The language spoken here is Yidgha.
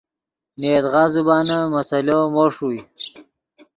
نے یدغا زبانن مسئلو مو ݰوئے